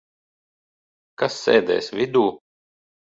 Kas sēdēs vidū?